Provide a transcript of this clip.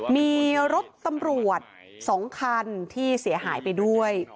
มีรถตำรวจ๒คันที่เสียหายไปด้วย